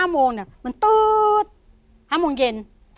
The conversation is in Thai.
๕โมงเย็น